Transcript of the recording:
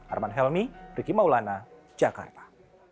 arman helmi riki maulana jakarta